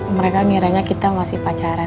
mereka miranya kita masih pacaran